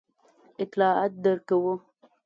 اطلاعات درکوو.